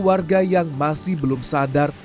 warga yang masih belum sadar